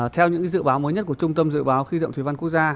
theo những dự báo mới nhất của trung tâm dự báo khí tượng thủy văn quốc gia